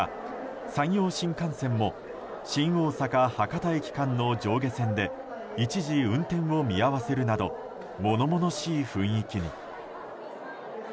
山陽新幹線も新大阪博多駅間の上下線で一時運転を見合わせるなど物々しい雰囲気に。